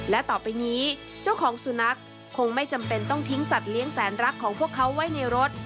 และต่อไปนี้เจ้าของสุนัขคงไม่จำเป็นต้องทิ้งสัตว์แสนรักของพวกเขาไว้ในรถ